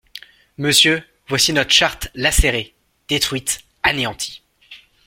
Monsieur, voici notre Charte lacérée, détruite, anéantie!